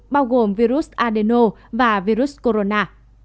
bao gồm virus adenovirus và virus corona